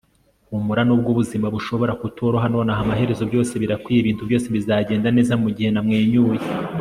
humura nubwo ubuzima bushobora kutoroha nonaha, amaherezo byose birakwiye ibintu byose bizagenda neza mugihe namwenyure